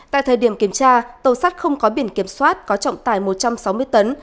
tại thời điểm kiểm tra tàu sắt không có biển kiểm soát có trọng tải một trăm sáu mươi tấn